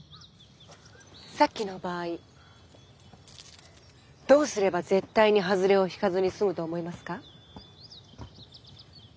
さっきの場合どうすれば絶対にハズレを引かずに済むと思いますか？